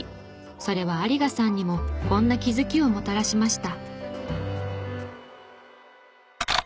それは有賀さんにもこんな気づきをもたらしました。